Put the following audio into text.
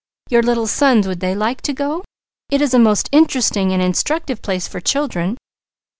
Your little sons would they like to go? It is a most interesting and instructive place for children."